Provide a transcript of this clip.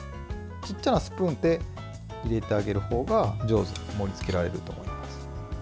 ちっちゃなスプーンで入れてあげるほうが上手に盛りつけられると思います。